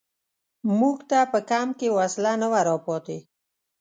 موږ ته په کمپ کې وسله نه وه را پاتې.